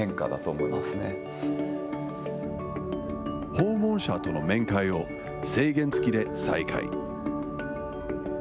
訪問者との面会を、制限付きで再開。